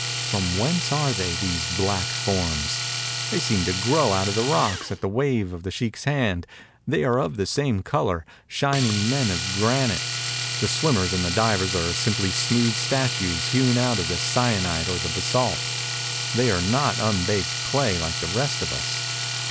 From whence are they, these black forms? They seem to grow out of the rocks at the wave of the sheikh's hand; they are of the same color, shining men of granite. The swimmers and divers are simply smooth statues hewn out of the syenite or the basalt. They are not unbaked clay like the rest of us.